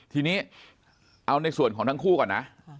ทีนี้เอาในส่วนของทั้งคู่ก่อนนะ